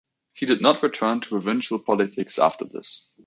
He did not return to provincial politics after this.